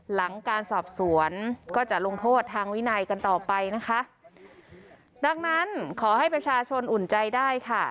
หลังการสอบสวนก็จะลงโทษทางวินัยกันต่อไปนะคะดังนั้นขอให้ประชาชนอุ่นใจได้ค่ะ